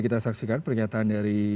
kita saksikan pernyataan dari